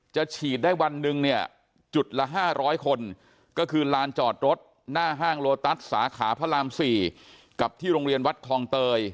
ฉีดได้วันหนึ่งเนี่ยจุดละ๕๐๐คนก็คือลานจอดรถหน้าห้างโลตัสสาขาพระราม๔กับที่โรงเรียนวัดคลองเตย